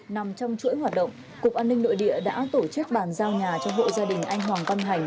nằm trong chuỗi hoạt động cục an ninh nội địa đã tổ chức bàn giao nhà cho hộ gia đình anh hoàng văn hành